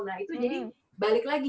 nah itu jadi balik lagi